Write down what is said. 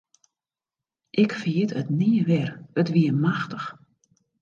Ik ferjit it nea wer, it wie machtich.